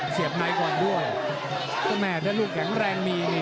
สายยากอยู่นะครับ